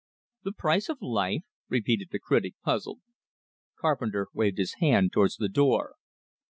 "The price of life?" repeated the critic, puzzled. Carpenter waved his hand towards the door.